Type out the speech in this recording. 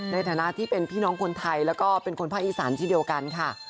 ในฐานะที่เป็นพี่น้องคนไทยแล้วก็เป็นคนภาคอีสานที่เดียวกันค่ะ